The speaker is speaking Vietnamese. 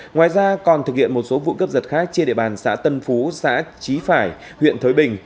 ngoài ra còn thực hiện một số vụ cướp giật khác trên địa bàn xã tân phú xã trí phải huyện thới bình